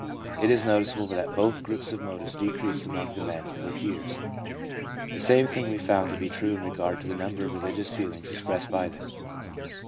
It is noticeable that both groups of motives decrease among the men with years; the same thing we found to be true in regard to the number of religious feelings expressed by them.